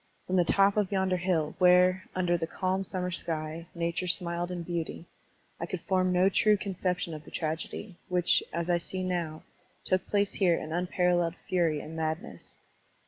From the top of yonder hill, where, under the calm summer sky, nature smiled in beauty, I could form no true conception of the tragedy, which, as I see now, took place here in tmparal leled fury and madness.